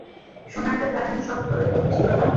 সোনার দাঁত লাগানোর শখ তোরই তো উঠেছিলো না?